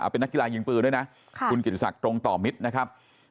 เป็นนักกีฬายิงปืนด้วยนะคุณกิติศักดิ์ตรงต่อมิตรนะครับ